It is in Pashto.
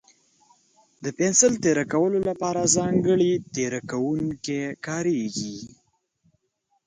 د پنسل تېره کولو لپاره ځانګړی تېره کوونکی کارېږي.